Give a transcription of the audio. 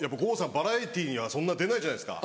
バラエティーにはそんな出ないじゃないですか。